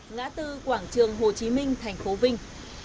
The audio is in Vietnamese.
ngã tư quảng trường hồ chí minh thành phố vinh